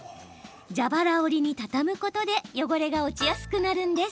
蛇腹折りに畳むことで汚れが落ちやすくなるんです。